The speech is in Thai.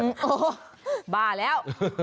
โอ้โหบ้าแล้ว